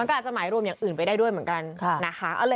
ก็อาจจะหมายรวมอย่างอื่นไปได้ด้วยเหมือนกันนะคะ